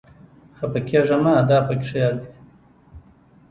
خپه کېږه مه، دا پکې راځي